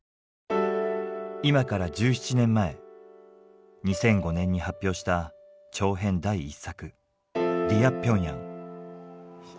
今から１７年前２００５年に発表した長編第１作「ディア・ピョンヤン」。